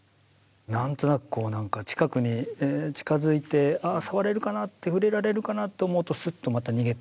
何となくこうなんか近くに近づいてああ触れるかなって触れられるかなと思うとすっとまた逃げていくみたいなね。